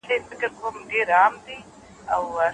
خپله لاره وټاکه.